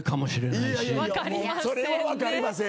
いやいやそれは分かりません。